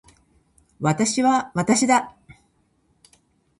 私は私だ。